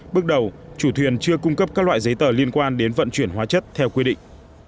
bước đầu chủ thuyền chưa cung cấp các loại giấy tờ liên quan đến vận chuyển hóa chất theo quy định